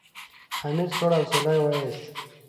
حميد سوړ اسويلی وېست.